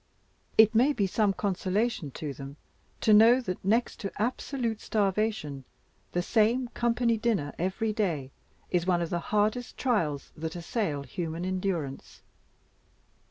It may be some consolation to them to know that, next to absolute starvation, the same company dinner, every day, is one of the hardest trials that assail human endurance.